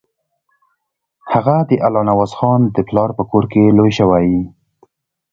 هغه د الله نوازخان د پلار په کور کې لوی شوی.